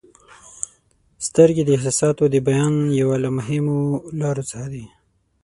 • سترګې د احساساتو د بیان یوه له مهمو لارو څخه دي.